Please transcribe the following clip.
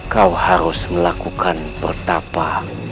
kau harus melakukan pertapa